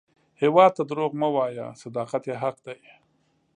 هیواد ته دروغ مه وایه، صداقت یې حق دی